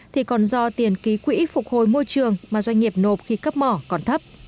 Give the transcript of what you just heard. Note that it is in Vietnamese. thì còn do tiền ký quỹ phục hồi môi trường mà doanh nghiệp nộp khi cấp mỏ còn thấp